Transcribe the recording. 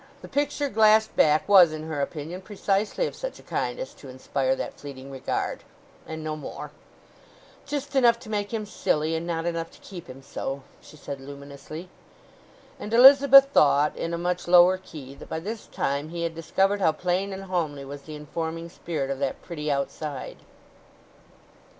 The picture glassed back was in her opinion, precisely of such a kind as to inspire that fleeting regard, and no more—"just enough to make him silly, and not enough to keep him so," she said luminously; and Elizabeth thought, in a much lower key, that by this time he had discovered how plain and homely was the informing spirit of that pretty outside.